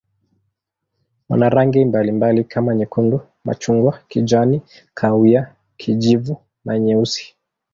Wana rangi mbalimbali kama nyekundu, machungwa, kijani, kahawia, kijivu na nyeusi.